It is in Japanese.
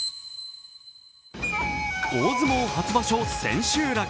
大相撲初場所千秋楽。